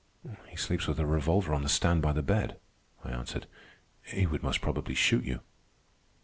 "He sleeps with a revolver on the stand by the bed," I answered. "He would most probably shoot you."